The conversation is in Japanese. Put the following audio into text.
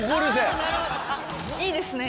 いいですね。